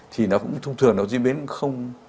thì nó cũng thông thường nó diễn biến không